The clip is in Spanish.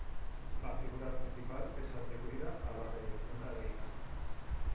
La figura principal es atribuida a la de una deidad.